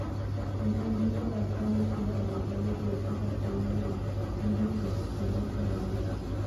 Mjamzito afanye kila awezalo kuepuka kuumwa na mbu kwa kutumia chandarua